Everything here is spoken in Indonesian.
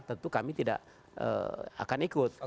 tentu kami tidak akan ikut